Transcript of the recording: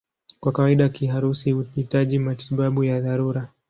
Kwa kawaida kiharusi huhitaji matibabu ya dharura.